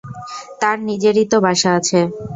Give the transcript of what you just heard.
তার নিজেরই তো বাসা আছে।